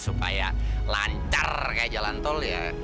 supaya lancar kayak jalan tol ya